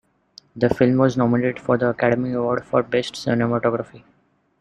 The film was nominated for the Academy Award for Best Cinematography.